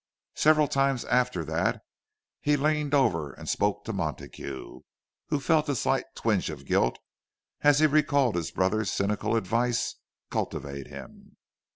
Several times after that he leaned over and spoke to Montague, who felt a slight twinge of guilt as he recalled his brother's cynical advice, "Cultivate him!"